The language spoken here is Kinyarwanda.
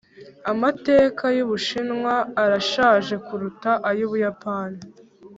amateka y'ubushinwa arashaje kuruta ay'ubuyapani.